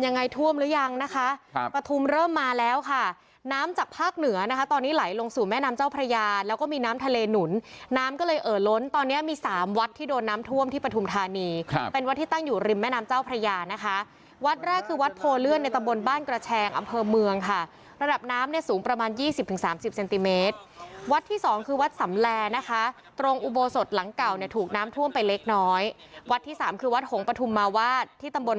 แบ่งแบ่งแบ่งแบ่งแบ่งแบ่งแบ่งแบ่งแบ่งแบ่งแบ่งแบ่งแบ่งแบ่งแบ่งแบ่งแบ่งแบ่งแบ่งแบ่งแบ่งแบ่งแบ่งแบ่งแบ่งแบ่งแบ่งแบ่งแบ่งแบ่งแบ่งแบ่ง